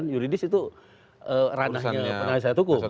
juridis itu ranahnya